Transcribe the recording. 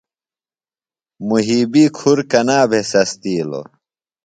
مُحیبی کُھر کنا بھے سستِیلوۡ؟